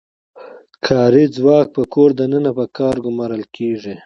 کاري ځواک په کور دننه په کار ګومارل کیږي.